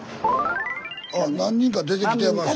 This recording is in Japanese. あ何人か出てきてますよ。